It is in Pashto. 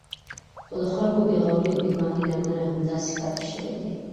خو د خلکو بې غورئ او بې پامۍ له امله همداسې پاتې شوی دی.